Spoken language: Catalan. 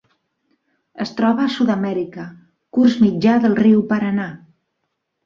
Es troba a Sud-amèrica: curs mitjà del riu Paranà.